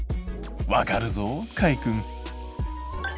わかるぞかいくん。